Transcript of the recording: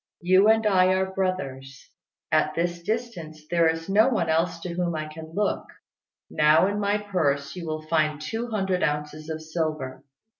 You and I are brothers. At this distance there is no one else to whom I can look. Now in my purse you will find two hundred ounces of silver.